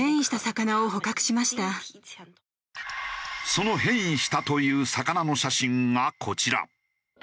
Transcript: その変異したという魚の写真がこちら。